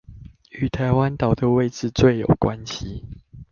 與台灣島的位置最有關係